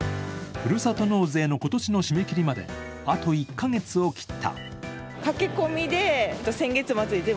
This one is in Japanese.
ふるさと納税の今年の締め切りまで、あと１カ月を切った。